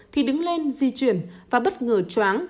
thì đứng lên di chuyển và bất ngờ choáng